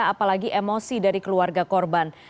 apalagi emosi dari keluarga korban